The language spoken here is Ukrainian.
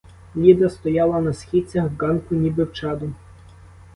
Ліда стояла на східцях ґанку ніби в чаду.